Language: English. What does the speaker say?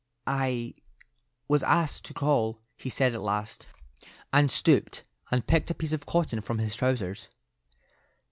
"I—was asked to call," he said at last, and stooped and picked a piece of cotton from his trousers.